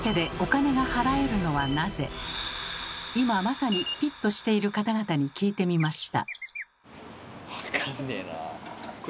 今まさにピッとしている方々に聞いてみました。